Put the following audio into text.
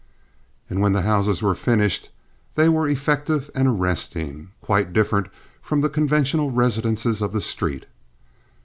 And when the houses were finished, they were effective and arresting—quite different from the conventional residences of the street.